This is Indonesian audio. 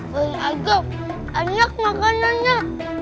bukan ada enak makanannya